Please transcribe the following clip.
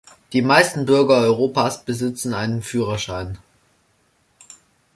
Die meisten Bürger Europas besitzen einen Führerschein.